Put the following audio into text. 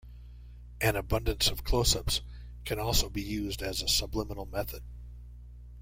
An abundance of close-ups can also be used as a subliminal method.